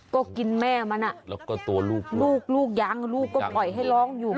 ก็กินแม่มันอ่ะแล้วก็ตัวลูกลูกยังลูกก็ปล่อยให้ร้องอยู่